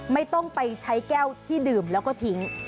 ไม่ต้องไปใช้แก้วที่ดื่มแล้วก็ทิ้ง